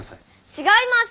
違います！